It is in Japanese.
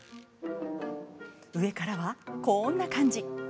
上からは、こんな感じ。